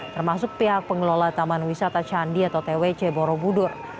termasuk pihak pengelola taman wisata candi atau twc borobudur